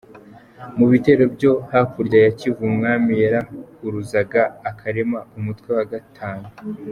Mu bitero byo hakurya y’i Kivu, Umwami yarayahuruzaga akarema umutwe wa gatanu.